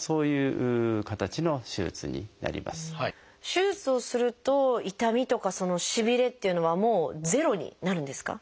手術をすると痛みとかしびれっていうのはもうゼロになるんですか？